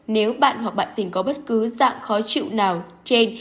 nếu bạn hoặc bạn tình có bất cứ dạng khó chịu nào trên